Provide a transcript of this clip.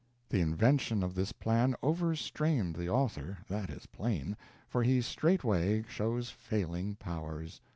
The invention of this plan overstrained the author that is plain, for he straightway shows failing powers.